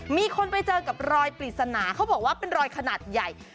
มีคนไปเจอกับรอยปริศนาเขาบอกว่าเป็นรอยขนาดใหญ่